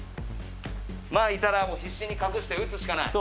前いたら必死に隠して撃つしかない。